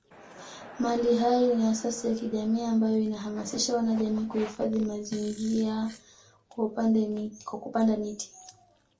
Mali Hai ni asasi ya kijamii ambayo inahamasisha wanajamii kuhifadhi mazingiÅa kwa kupanda miti